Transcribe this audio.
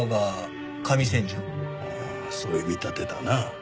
ああそういう見立てだな。